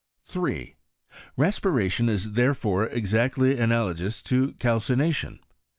3. Respiration is therefore exactly analogous to calcination.